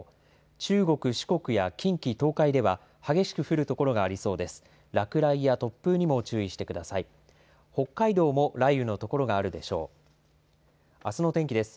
中国、四国や近畿、東海では激しく降る所がありそうです。